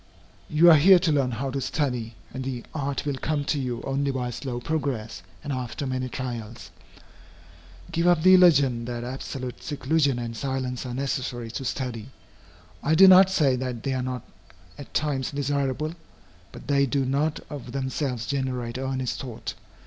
You are here to learn how to study, and the art will come to you only by slow progress, and after many trials. Give up the illusion that absolute seclusion and silence are necessary to study. I do not say that they are not at times desirable. But they do not of themselves generate earnest thought.